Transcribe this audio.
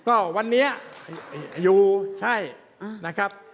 ก็วันนี้อยู่ใช่นะครับ